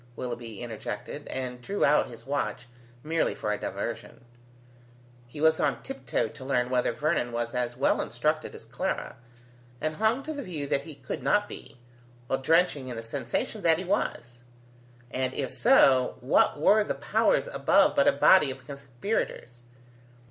Willoughby interjected, and drew out his watch, merely for a diversion; he was on tiptoe to learn whether Vernon was as well instructed as Clara, and hung to the view that he could not be, while drenching in the sensation that he was: and if so, what were the Powers above but a body of conspirators?